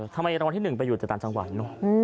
ทำไมรางวัลที่๑ไปอยู่จากตานจังหวันเนอะ